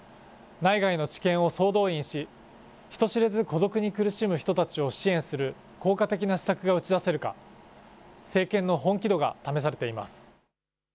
内外の知見を総動員し、人知れず孤独に苦しむ人たちを支援する効果的な施策が打ち出せるか、政権の本気度が試されています。